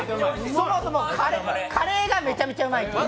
そもそもカレーがめちゃめちゃうまい。